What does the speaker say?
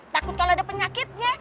takut kalau ada penyakitnya